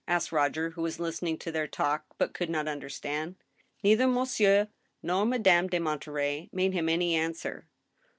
" asked Roger, who was listening to their talk, but could not understand. Neither Monsieur nor Madame de Monterey made him any answer.